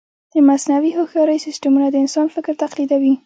د مصنوعي هوښیارۍ سیسټمونه د انسان فکر تقلیدوي.